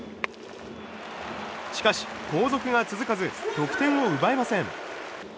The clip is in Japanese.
しかし、後続が続かず得点を奪えません。